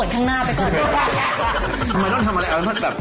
ดังกับใครครับ